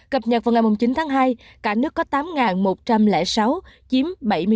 cập nhật vào ngày chín tháng hai cả nước có tám một trăm linh sáu chiếm bảy mươi chín